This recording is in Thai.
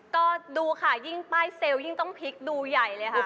ก็ดูค่ะยิ่งป้ายเซลล์ยิ่งต้องพลิกดูใหญ่เลยค่ะ